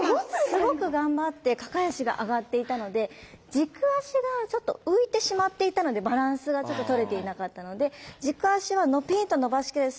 すごく頑張って抱え足が上がっていたので軸足がちょっと浮いてしまっていたのでバランスが取れていなかったので軸足はピンと伸ばしきらない。